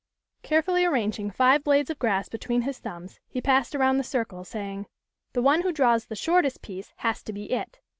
Carefully arranging five blades of grass between his thumbs, he passed around the circle, saying, " The one who draws the shortest piece has to be 'it.'"